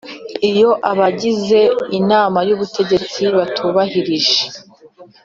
Iyo abagize Inama y Ubutegetsi batubahirije